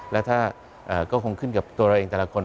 และถ้าก็คงขึ้นกับตัวเราเองแต่ละคน